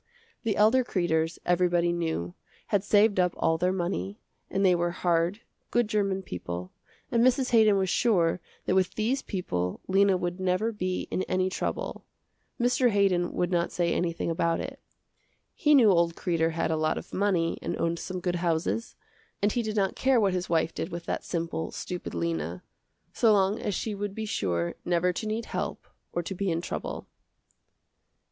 The elder Kreders, everybody knew, had saved up all their money, and they were hard, good german people, and Mrs. Haydon was sure that with these people Lena would never be in any trouble. Mr. Haydon would not say anything about it. He knew old Kreder had a lot of money and owned some good houses, and he did not care what his wife did with that simple, stupid Lena, so long as she would be sure never to need help or to be in trouble.